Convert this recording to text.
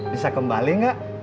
bisa kembali enggak